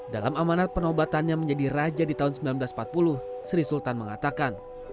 dalam amanat penobatannya menjadi raja di tahun seribu sembilan ratus empat puluh sri sultan mengatakan